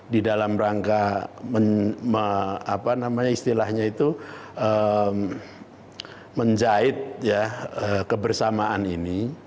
di dalam rangka apa namanya istilahnya itu menjahit kebersamaan ini